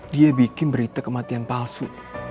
dia bikin berita kematian palsu